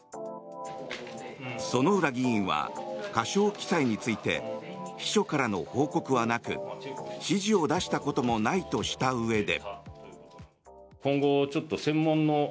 薗浦議員は過少記載について秘書からの報告はなく指示を出したこともないとしたうえで。